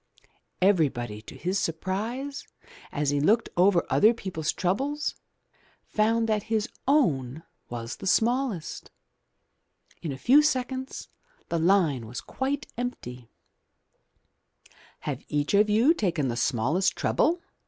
Everybody to his surprise, as he looked over other peoples' troubles, found that his own was the smallest. In a few seconds the line was quite empty. 255 MY BOOK HOUSE "Have each of you taken the smallest trouble?"